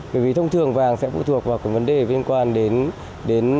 bởi vì thông thường vàng sẽ phụ thuộc vào cái vấn đề liên quan đến